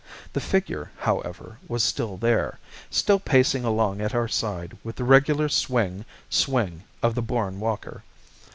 The figure, however, was still there, still pacing along at our side with the regular swing, swing of the born walker.